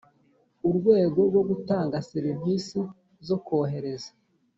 urwego rwo gutanga serivisi zo kohereza